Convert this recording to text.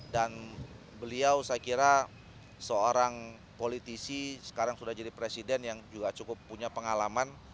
dan beliau saya kira seorang politisi sekarang sudah jadi presiden yang juga cukup punya pengalaman